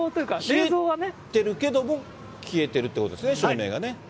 冷えてるけども、消えてるっていうことですね、照明がね。